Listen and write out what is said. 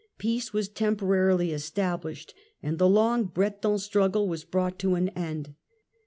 peace was temporarily Battle of established, and the long Breton struggle was brought end of to an end.